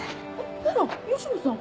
あら吉野さん。